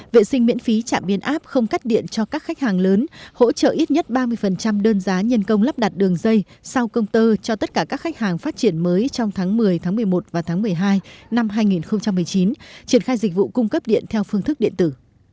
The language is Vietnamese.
vệ sinh miễn phí trạm biến áp không cắt điện cho các khách hàng lớn hỗ trợ ít nhất ba mươi đơn giá nhân công lắp đặt đường dây sau công tơ cho tất cả các khách hàng phát triển mới trong tháng một mươi tháng một mươi một và tháng một mươi hai năm hai nghìn một mươi chín triển khai dịch vụ cung cấp điện theo phương thức điện tử